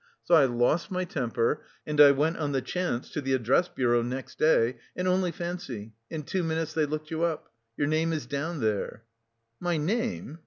So I lost my temper, and I went on the chance to the address bureau next day, and only fancy, in two minutes they looked you up! Your name is down there." "My name!"